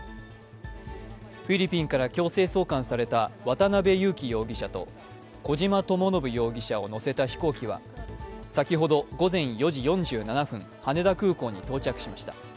フィリピンから強制送還された渡辺優樹容疑者と小島智信容疑者を乗せた飛行機は先ほど午前４時４７分、羽田空港に到着しました。